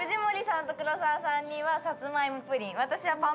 藤森さんと黒沢さんにはサツマイモプリン。